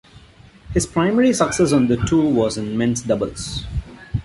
His primary success on the tour was in men's doubles.